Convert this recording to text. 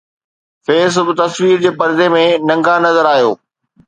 قيس به تصوير جي پردي ۾ ننگا نظر آيو